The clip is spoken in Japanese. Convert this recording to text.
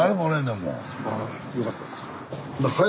よかったです。